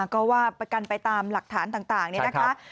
ก็ว่ากันไปตามหลักฐานต่างนะคะ